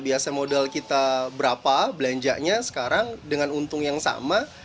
biasa modal kita berapa belanjanya sekarang dengan untung yang sama